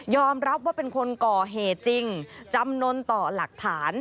รับว่าเป็นคนก่อเหตุจริงจำนวนต่อหลักฐาน